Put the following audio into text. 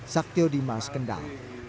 saktio dimas kendal